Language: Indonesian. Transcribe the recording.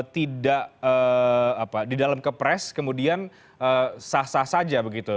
tidak di dalam kepres kemudian sah sah saja begitu